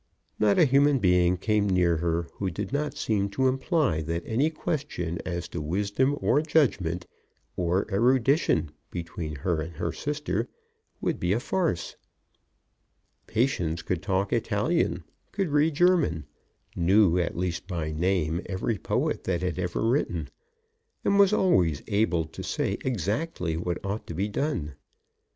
Not a human being came near her who did not seem to imply that any question as to wisdom or judgment or erudition between her and her sister would be a farce. Patience could talk Italian, could read German, knew, at least by name, every poet that had ever written, and was always able to say exactly what ought to be done.